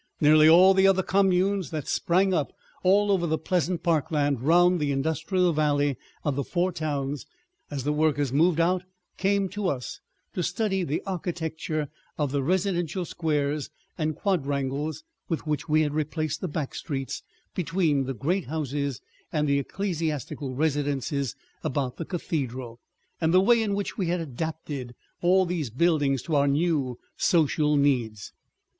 Nearly all the other communes that sprang up all over the pleasant parkland round the industrial valley of the Four Towns, as the workers moved out, came to us to study the architecture of the residential squares and quadrangles with which we had replaced the back streets between the great houses and the ecclesiastical residences about the cathedral, and the way in which we had adapted all these buildings to our new social needs.